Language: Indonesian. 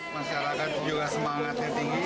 masyarakat juga semangatnya tinggi